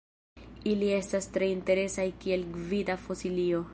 Ili estas tre interesaj kiel gvida fosilio.